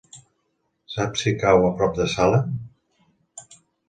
Saps si cau a prop de Salem?